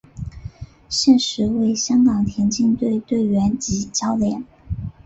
现时为香港田径队队员及教练。